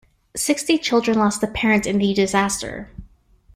Sixty children lost a parent in the disaster.